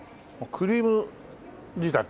クリーム仕立て？